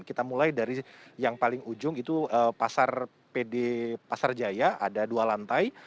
kita mulai dari yang paling ujung itu pasar pd pasar jaya ada dua lantai